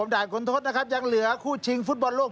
ด่านขุนทศยังเหลือคู่ชิงฟุตบอลโลง